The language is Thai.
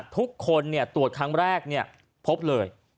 ทุกคนตรวจครั้งแรกพบเลย